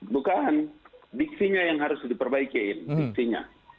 bukan diksinya yang harus diperbaikinya